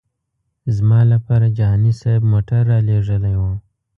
زما لپاره جهاني صاحب موټر رالېږلی و.